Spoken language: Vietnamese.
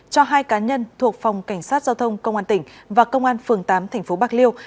cho hai cá nhân thuộc phòng cảnh sát giao thông công an tỉnh và công an phường tám tp bạc liêu